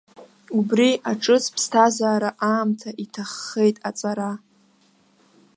Убри аҿыц ԥсҭазаара аамҭа иаҭаххеит аҵара.